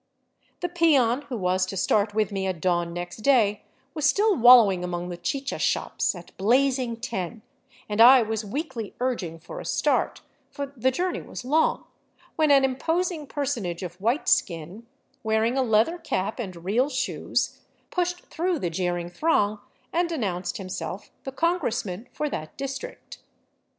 The peon who was to start with me at dawn next day was still wallowing among the chicha shops at blazing ten, and I was weakly urging a start — for the journey was long — when an imposing personage of white skin, wearing a leather cap and real shoes, pushed through the jeering throng and announced himself the congressman for that district.